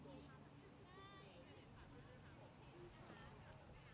เมื่อเวลาเมื่อเวลาเมื่อเวลาเมื่อเวลา